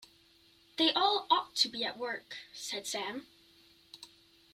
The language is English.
“They all ought to be at work,” said Sam.